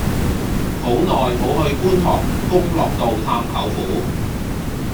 好耐無去觀塘功樂道探舅父